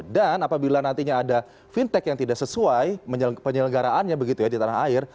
dan apabila nantinya ada fintech yang tidak sesuai penyelenggaraannya di tanah air